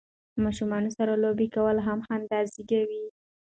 ماشومانو سره لوبې کول هم خندا زیږوي.